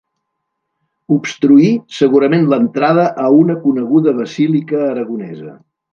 Obstruir, segurament l'entrada a una coneguda basílica aragonesa.